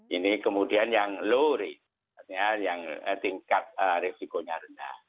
ini kemudian yang low ride yang tingkat risikonya rendah